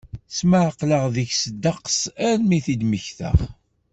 Smeɛqleɣ deg-s ddeqs armi i d-mmektaɣ.